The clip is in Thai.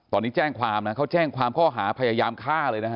ตอนนี้แจ้งความนะเขาแจ้งความข้อหาพยายามฆ่าเลยนะฮะ